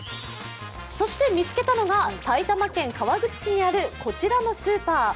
そして見つけたのが埼玉県川口市にあるこちらのスーパー。